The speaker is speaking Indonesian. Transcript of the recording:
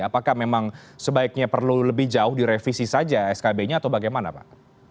apakah memang sebaiknya perlu lebih jauh direvisi saja skb nya atau bagaimana pak